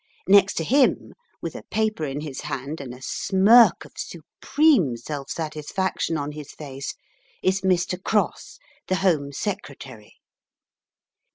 Next to him, with a paper in his hand and a smirk of supreme self satisfaction on his face, is Mr. Cross, the Home Secretary.